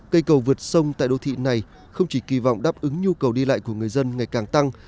cây cầu vượt sông tại đô thị này không chỉ kỳ vọng đáp ứng nhu cầu đi lại của người dân ngày càng tăng